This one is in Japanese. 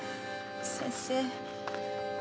先生。